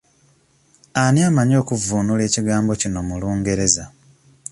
Ani amanyi okuvvuunula ekigambo kino mu Lungereza?